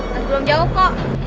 mas belum jawab kok